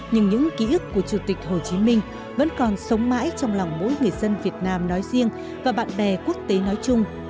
nhưng những ký ức của chủ tịch hồ chí minh vẫn còn sống mãi trong lòng mỗi người dân